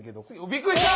びっくりした！